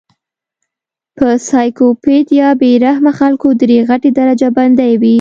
پۀ سايکو پېت يا بې رحمه خلکو درې غټې درجه بندۍ وي